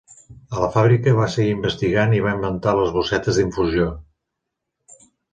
A la fàbrica, va seguir investigant i va inventar les bossetes d'infusió.